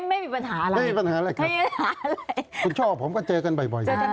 ไม่มีปัญหาอะไรครับคุณชอบผมก็เจอกันบ่อยค่ะครับคุณชอบผมก็เจอกันบ่อย